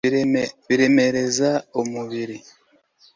biremereza umubiri